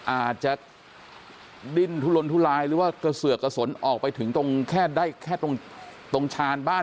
อาจจะดิ้นทุลลนทุลายหรือว่ากระเสือกกระสนออกไปถึงตรงชานบ้าน